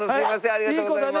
ありがとうございます。